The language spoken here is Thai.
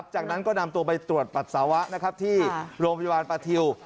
จากนั้นก็นำตัวไปตรวจปัสสาวะนะครับที่โรงพยาบาลประทิว